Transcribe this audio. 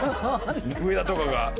上田とかが。